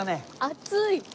熱い！